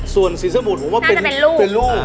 ส่วนสีสมุดผมว่าเป็นลูก